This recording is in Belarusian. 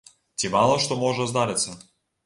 Ці мала што можа здарыцца.